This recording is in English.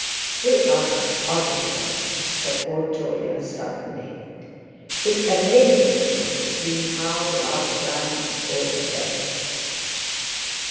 "We're an ugly lot!" said old Jolyon suddenly. "It amazes me to see how—love triumphs over that."